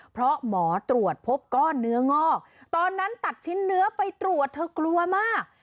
เพราะหมอตรวจพบก้อนเนื้องอกตอนนั้นตัดชิ้นเนื้อไปตรวจเธอกลัวมาก